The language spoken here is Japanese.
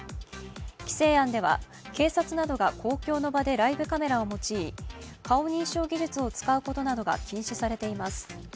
規制案では、警察などが公共の場でライブカメラを用い顔認証技術を使うことなどが禁止されています。